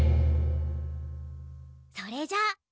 それじゃあ。